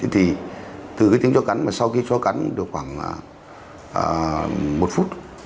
thì từ tiếng chó cắn và sau khi chó cắn được khoảng một phút